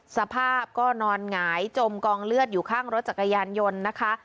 สภาพก็นอนหงายจมกองเลือดอยู่ข้างรถจักรยานยนต์นะคะ